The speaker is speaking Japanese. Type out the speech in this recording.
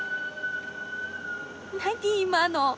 何今の。